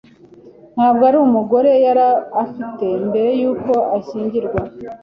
Ntabwo ari umugore yari afite mbere yuko ashyingirwa.